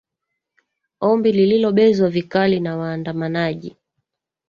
ombi lililo bezwa vikali na waandamanaji